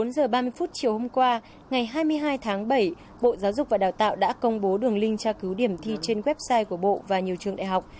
bốn giờ ba mươi phút chiều hôm qua ngày hai mươi hai tháng bảy bộ giáo dục và đào tạo đã công bố đường link tra cứu điểm thi trên website của bộ và nhiều trường đại học